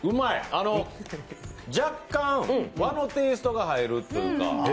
あの、若干、和のテイストが入るというか。